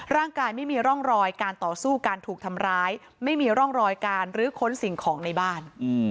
ร่างกายไม่มีร่องรอยการต่อสู้การถูกทำร้ายไม่มีร่องรอยการรื้อค้นสิ่งของในบ้าน